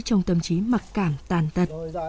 trong tâm trí mặc cảm tàn tật